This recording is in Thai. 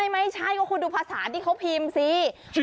ไม่ใช่ก็คุณดูภาษาที่เขาพิมพ์สิ